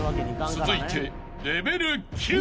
［続いて］